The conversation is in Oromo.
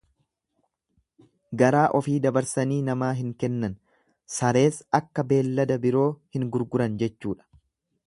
Garaa ofii dabarsanii namaa hin kennan, sarees akka beellada biroo hin gurguran jechuudha.